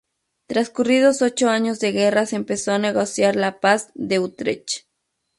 Transcurridos ocho años de guerra se empezó a negociar la Paz de Utrecht.